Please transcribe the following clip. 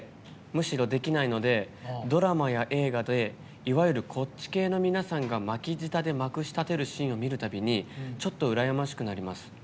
むしろ、できないのでドラマや映画でいわゆるこっち系の皆さんが巻き舌でまくしたてるシーンを見るたびにちょっと羨ましくなります。